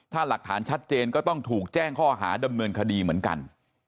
ถ้าหลักฐานชัดเจนก็ต้องถูกแจ้งข้อหาดำเนินคดีเหมือนกัน